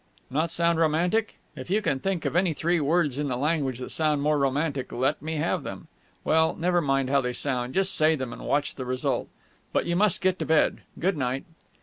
"Not sound romantic? If you can think of any three words in the language that sound more romantic, let me have them! Well, never mind how they sound, just say them, and watch the result! But you must get to bed. Good night."